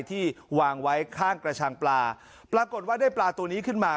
ที่วางไว้ข้างกระชังปลาปรากฏว่าได้ปลาตัวนี้ขึ้นมา